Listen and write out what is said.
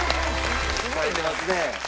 冴えてますね。